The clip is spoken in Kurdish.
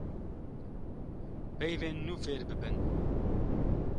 peyvên nû fêr bibin